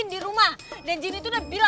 nggak ada buktinya nyomut